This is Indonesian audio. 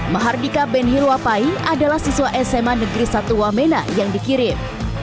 mahardika ben hiruapai adalah siswa sma negeri satu wamena yang dikirim